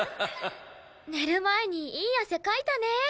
寝る前にいい汗かいたね。